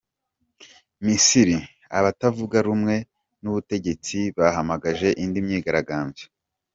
Misiri: Abatavuga rumwe n’ubutegetsi bahamagaje indi myigaragambyo